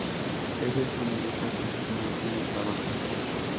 Ella es ama de casa y no tiene trabajo.